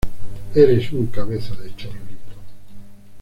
Eres un cabeza de chorlito